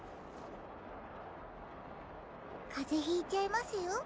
かぜひいちゃいますよ。